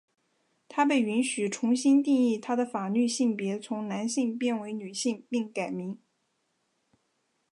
她被允许重新定义她的法律性别从男性变为女性并改名。